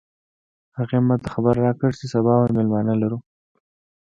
هغې ما ته خبر راکړ چې سبا به مېلمانه لرو